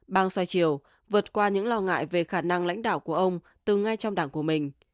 bang soi chiều vượt qua những lo ngại về khả năng lãnh đạo của ông từ ngay trong đảng của mình